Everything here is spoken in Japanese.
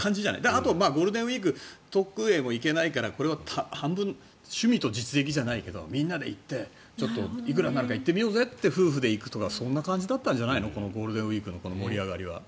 あとゴールデンウィーク遠くへも行けないから、これは半分趣味と実益じゃないけどみんなで行っていくらになるか行ってみようぜって夫婦で行くとかそんな感じだったんじゃないのこのゴールデンウィークの盛り上がりは。